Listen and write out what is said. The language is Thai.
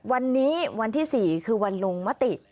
วันนี้วันที่๔คือวันลงมติ